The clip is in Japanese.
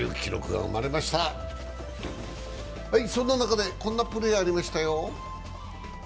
そんな中でこんなプレーがありましたよ。